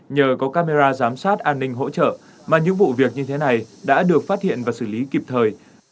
nhờ có camera giám sát an ninh hỗ trợ mà những vụ việc như thế này đã được phát hiện và xử lý kịp thời